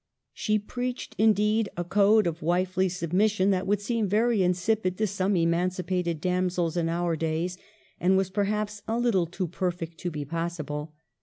She preached, indeed, a code of wifely submission that would seem very insipid to some emancipated damsels in our days, and was perhaps a little too perfect to be possi ble.